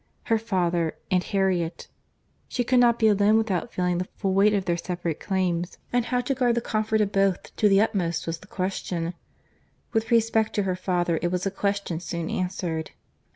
Her father—and Harriet. She could not be alone without feeling the full weight of their separate claims; and how to guard the comfort of both to the utmost, was the question. With respect to her father, it was a question soon answered.